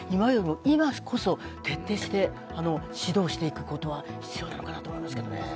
今こそ徹底して指導していくことは必要なのかなと思いますけどね。